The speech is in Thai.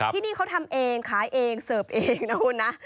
ที่นี่เขาทำเองขายเองเสิร์ฟเองนะคุณนะ